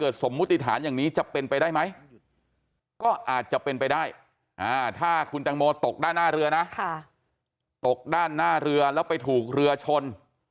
ด้านหน้าเรือนะค่ะตกด้านหน้าเรือแล้วไปถูกเรือชน